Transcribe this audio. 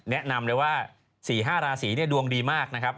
แนะนำเลยว่า๔๕ราศีเนี่ยดวงดีมากนะครับ